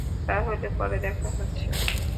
তাহলে, পরে দেখা হচ্ছে।